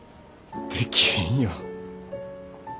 できひんよ。